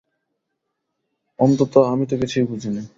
অন্তত, আমি তো কিছুই বুঝি নি।